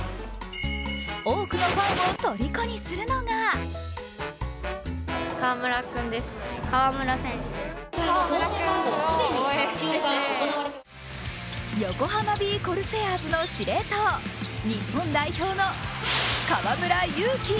多くのファンをとりこにするのが横浜ビー・コルセアーズの司令塔日本代表の河村勇輝。